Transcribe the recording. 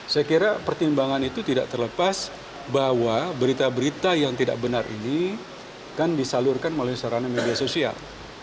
saya kira pertimbangan itu tidak terlepas bahwa berita berita yang tidak benar ini kan disalurkan melalui sarana media sosial